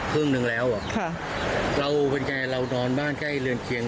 ครึ่งหนึ่งแล้วอ่ะค่ะเราเป็นไงเรานอนบ้านใกล้เรือนเคียง